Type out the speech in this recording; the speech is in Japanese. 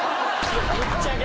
ぶっちゃけ。